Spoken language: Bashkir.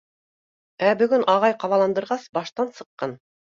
Ә бөгөн ағай ҡабаландырғас, баштан сыҡҡан.